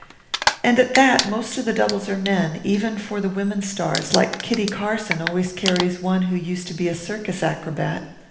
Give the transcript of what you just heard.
"And at that, most of the doubles are men, even for the women stars, like Kitty Carson always carries one who used to be a circus acrobat.